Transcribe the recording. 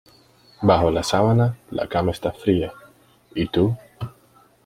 Bajo la sábana la cama está fría y tú...